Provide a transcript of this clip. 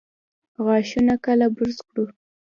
غاښونه کله برس کړو؟